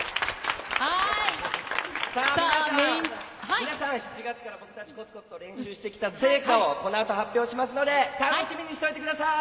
皆さん、７月からコツコツと練習をしてきた成果をこの後、発表しますのでお楽しみにしていてください！